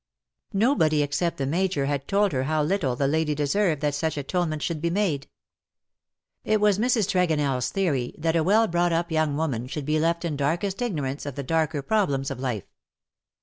Nobody except the Major had told her how little the lady deserved that such atonement should be made. 43 It was Mrs. TregonelFs theory that a well brought up young woman should be left in darkest ignorance of the darker problems of life.